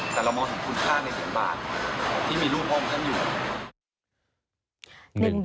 แต่เรามองถึงคุณค่าในเหรียญบาทที่มีรูปองค์กันอยู่